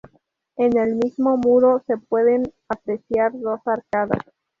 En el mismo muro se pueden apreciar dos arcadas.